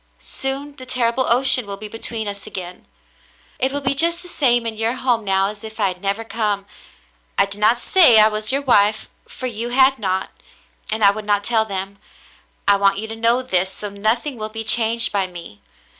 Soon the terrible ocean will be between us again. "It will be just the same in your home now as if I had never come. I did not say I was your wife — for you had not — and I would not tell them. I want you to know this, so nothing will be changed by me.